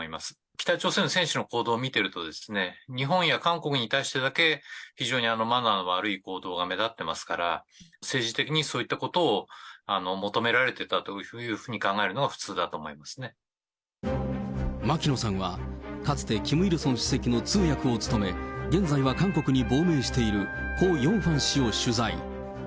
北朝鮮の選手の行動を見てるとですね、日本や韓国に対してだけ、非常にマナーが悪い行動が目立ってますから、政治的にそういったことを求められてたというふうに考えるのが普牧野さんは、かつてキム・イルソン主席の通訳を務め、現在は韓国に亡命しているコ・ヨンファン氏を取材。